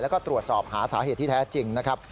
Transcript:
แล้วก็ตรวจสอบหาสาเหตุที่แท้จริงนะครับ